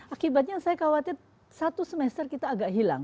akibatnya saya khawatir satu semester kita agak hilang